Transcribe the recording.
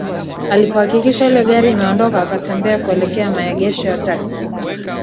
Alipohakikisha ile gari imeondoka akatembea kuelekea maegesho ya taksi